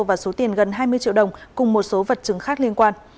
và số tiền gần hai mươi triệu đồng cùng một số vật chứng khác liên quan